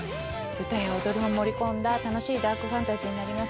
歌や踊りも盛り込んだ楽しいダークファンタジーになります